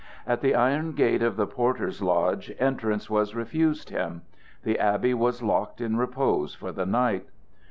At the iron gate of the porter's lodge entrance was refused him; the abbey was locked in repose for the night.